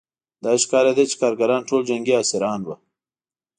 داسې ښکارېده چې کارګران ټول جنګي اسیران وو